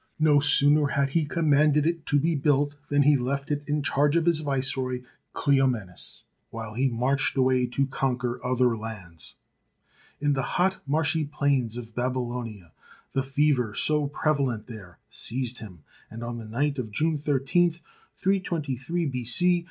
No sooner had he commanded it to be built than he left it in charge of his viceroy Cleomenes, while he marched away to conquer other lands. In the hot marshy plains of Babylonia, the fever, so prevalent there, seized him, and on the night of June 13, 323 B.C.